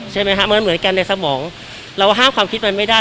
ใช่ไหมฮะมันเหมือนกันในสมองเราห้ามความคิดมันไม่ได้